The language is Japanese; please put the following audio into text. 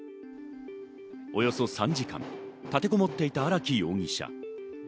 およそ３時間、立てこもっていた荒木容疑者。